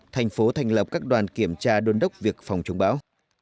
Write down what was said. thành phố thành lập các đoàn kiểm tra đôn đốc việc phòng chống bão